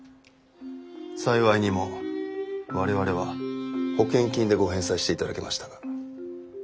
幸いにも我々は保険金でご返済して頂けましたが。